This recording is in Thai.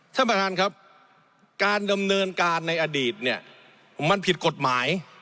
ท่านประธานครับการดำเนินการในอดีตเนี่ยมันผิดกฎหมาย